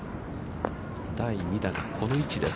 第２打がこの位置です。